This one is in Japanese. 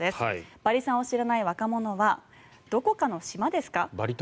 バリ３を知らない若者はどこかの島ですか？